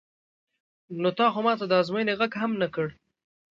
نو تا خو ما ته د ازموینې غږ هم نه کړ.